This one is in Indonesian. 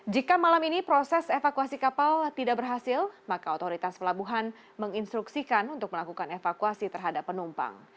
jika malam ini proses evakuasi kapal tidak berhasil maka otoritas pelabuhan menginstruksikan untuk melakukan evakuasi terhadap penumpang